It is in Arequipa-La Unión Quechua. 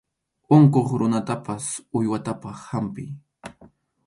Unquq runatapas uywatapas hampiy.